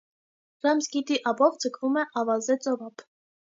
Ռամսգիտի ափով ձգվում է ավազե ծովափ։